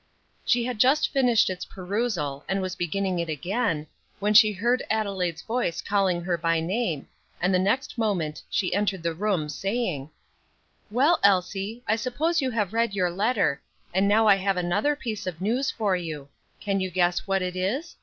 She had just finished its perusal and was beginning it again, when she heard Adelaide's voice calling her by name, and the next moment she entered the room, saying: "Well, Elsie, I suppose you have read your letter; and now I have another piece of news for you. Can you guess what it is?"